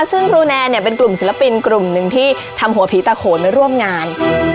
ซึ่งครูแนนเนี่ยเป็นกลุ่มศิลปินกลุ่มหนึ่งที่ทำหัวผีตาโขนมาร่วมงาน